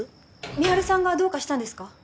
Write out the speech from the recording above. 美晴さんがどうかしたんですか？